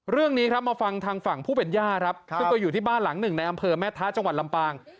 เรื่องนี้ครับมาฟังทางฝั่งผู้เป็นย่าครับซึ่งก็อยู่ที่บ้านหลังหนึ่งในอำเภอแม่ท้าจังหวัดลำปาง